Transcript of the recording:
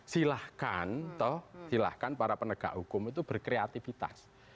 silahkan toh silahkan para penegak hukum itu berkreativitas